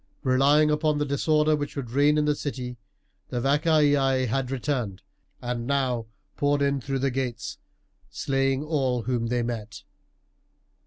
Relying upon the disorder which would reign in the city, the Vacaei had returned, and now poured in through the gates, slaying all whom they met.